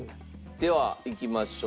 ではいきましょう。